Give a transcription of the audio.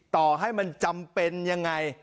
ต่อให้มันจำเป็นยังไง